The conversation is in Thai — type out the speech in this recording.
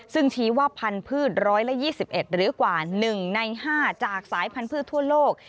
ซึ่งชี้ว่าพันธุ์พืช๑๒๑หรือกว่า๑ใน๕จากสายพันธุ์ทั่วโลก